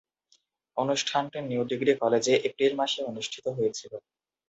অনুষ্ঠানটি new degree কলেজে April মাসে অনুষ্ঠিত হয়েছিলো।